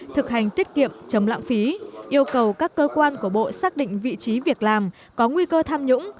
thực hành tiết kiệm chống lãng phí yêu cầu các cơ quan của bộ xác định vị trí việc làm có nguy cơ tham nhũng